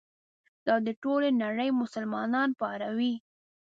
دا د ټولې نړۍ مسلمانان پاروي.